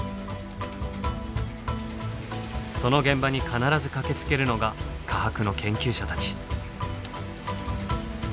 その現場に必ず駆けつけるのが科博の研究者たち。